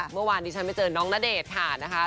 เมื่อวานดีฉันไปเจอน้องนาเดชค่ะ